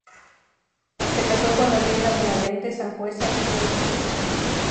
Se casó con Adriana Benavente Sanhueza y tuvieron tres hijos.